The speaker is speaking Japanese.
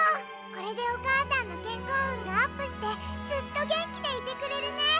これでおかあさんのけんこううんがアップしてずっとげんきでいてくれるね。